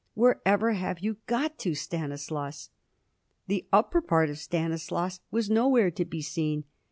Wherever have you got to, Stanislaus?" The upper half of Stanislaus was nowhere to be seen!